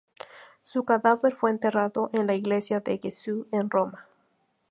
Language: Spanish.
Su cadáver fue enterrado en la Iglesia del Gesù, en Roma.